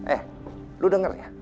eh lo denger ya